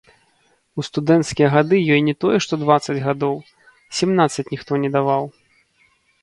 У студэнцкія гады ёй не тое што дваццаць гадоў - семнаццаць ніхто не даваў.